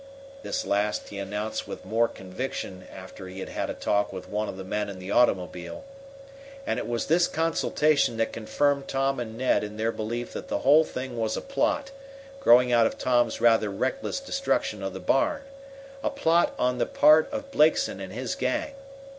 This last he announced with more conviction after he had had a talk with one of the men in the automobile. And it was this consultation that confirmed Tom and Ned in their belief that the whole thing was a plot, growing out of Tom's rather reckless destruction of the barn; a plot on the part of Blakeson and his gang.